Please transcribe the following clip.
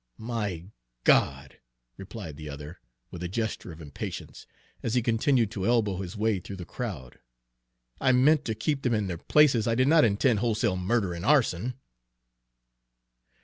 "My God!" replied the other, with a gesture of impatience, as he continued to elbow his way through the crowd; "I meant to keep them in their places, I did not intend wholesale murder and arson."